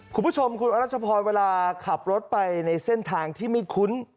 คุณผู้ชมคุณอรัชพรเวลาขับรถไปในเส้นทางที่ไม่คุ้น